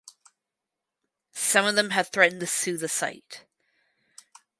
Some of them have threatened to sue the site.